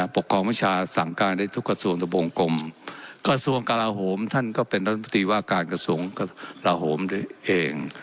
ปกครองวิชาสั่งการได้ทุกกระทรวงทะวงกลมกระทรวงกราโหมท่านก็เป็นรัฐมนตรีว่าการกระทรวงกลาโหมเอง